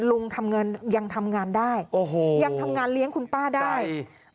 ลุงทำงานยังทำงานได้โอ้โหยังทำงานเลี้ยงคุณป้าได้